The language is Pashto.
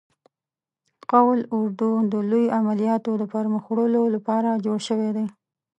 قول اردو د لوی عملیاتو د پرمخ وړلو لپاره جوړ شوی دی.